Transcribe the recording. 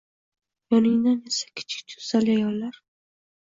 Yoningdan esa kichik jussali ayollar